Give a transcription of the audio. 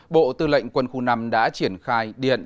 bộ tư lệnh quân khu năm đã triển khai điện